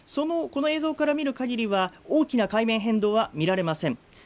この映像から見る限りは、大きな海面変動は見られません